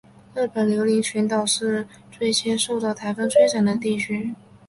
日本琉球群岛是最先受到台风摧残的地区。